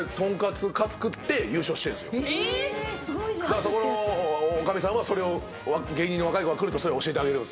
そこの女将さんはそれを芸人の若い子が来ると教えてあげるんすよ。